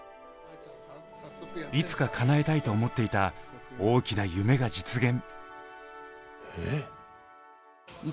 いつかかなえたいと思っていた大きな夢が実現。